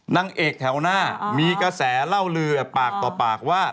นางเอกแถวหน้ามีกระแสเล่าลือปากต่อปากว่า